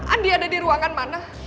andi ada di ruangan mana